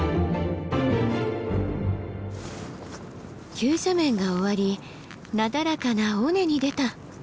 急斜面が終わりなだらかな尾根に出た。